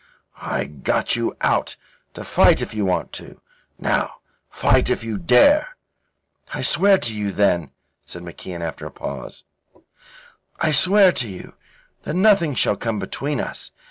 I got you out, to fight if you want to. Now, fight if you dare." "I swear to you, then," said MacIan, after a pause. "I swear to you that nothing shall come between us.